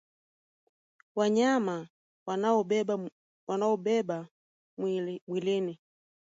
wanyama wanaoubeba mwilini